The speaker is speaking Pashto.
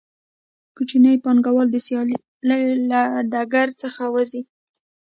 کوچني پانګوال د سیالۍ له ډګر څخه وځي